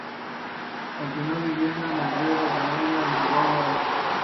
Continuó viviendo en Rio de Janeiro con Goulart.